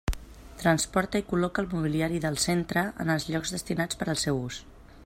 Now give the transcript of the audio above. Transporta i col·loca el mobiliari del centre en els llocs destinats per al seu ús.